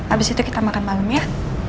abis itu kita makan malam ya